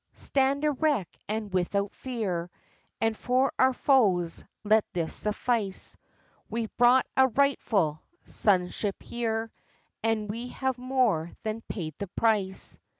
stand erect and without fear, And for our foes let this suffice We've bought a rightful sonship here, And we have more than paid the price.